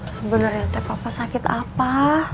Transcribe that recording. sebenarnya teh papa sakit apa